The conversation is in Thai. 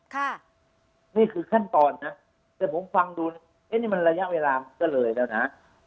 ค่ะนี่คือขั้นตอนนะแต่ผมฟังดูเอ๊ะนี่มันระยะเวลามันก็เลยแล้วนะ